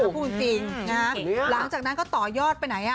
พูดจริงนะฮะหลังจากนั้นก็ต่อยอดไปไหน